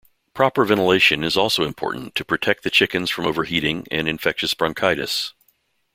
Proper ventilation is also important to protect the chickens from overheating and infectious bronchitis.